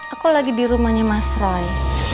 aku lagi di rumahnya mas roy